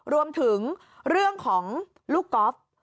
รวมถึงเรื่องของลูกก๊อฟ